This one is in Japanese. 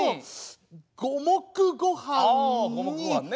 あ五目ごはんね。